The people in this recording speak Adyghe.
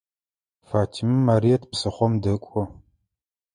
Фатимэ Марыет псыхъом дэкӏо.